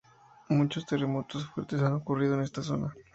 Muchos terremotos fuertes han ocurrido en esta zona.